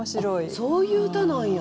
あっそういう歌なんや。